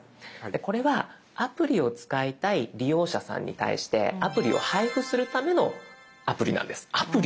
でこれはアプリを使いたい利用者さんに対してアプリを配布するためのアプリなんです。